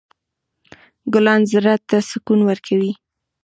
ګلان زړه ته سکون ورکوي.